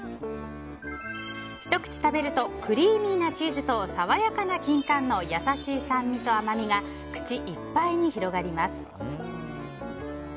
ひと口食べるとクリーミーなチーズと爽やかなキンカンの優しい酸味と甘みが口いっぱいに広がります。